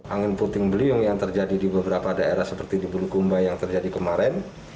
angin puting beliung yang terjadi di beberapa daerah seperti di bulukumba yang terjadi kemarin